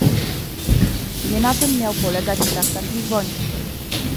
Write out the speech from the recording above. Nie na tym miał polegać traktat lizboński